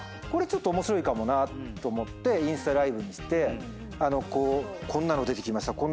これちょっと面白いかもなと思ってインスタライブにしてこんなの出てきました。